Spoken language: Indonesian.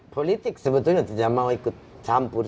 politik sebetulnya tidak mau ikut campur